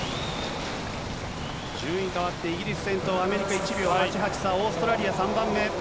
順位変わってイギリス先頭、アメリカ１秒１８差、オーストラリア３番目。